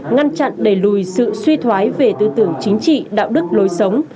ngăn chặn đẩy lùi sự suy thoái về tư tưởng chính trị đạo đức lối sống